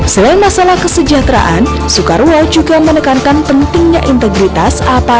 selain masalah kesejahteraan soekarwo juga menekankan pentingnya integritas